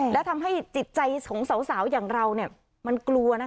แล้วทำให้จิตใจของสาวอย่างเราเนี่ยมันกลัวนะคะ